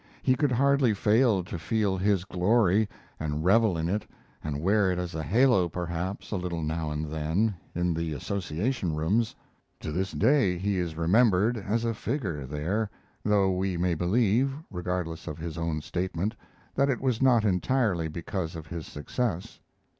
He could hardly fail to feel his glory and revel in it and wear it as a halo, perhaps, a little now and then in the Association Rooms. To this day he is remembered as a figure there, though we may believe, regardless of his own statement, that it was not entirely because of his success.